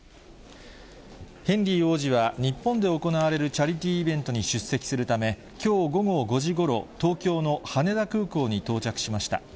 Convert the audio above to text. ヘンリー王子は、日本で行われるチャリティーイベントに出席するため、きょう午後５時ごろ、東京の羽田空港に到着しました。